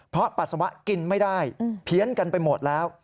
เพราะปัสสาวะกินไม่ได้เพี้ยนกันไปหมดแล้ว